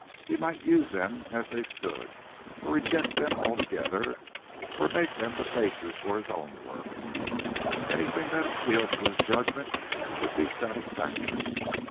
He might use them as they stood, or reject them altogether, or make them the basis for his own work—anything that appealed to his judgment would be satisfactory.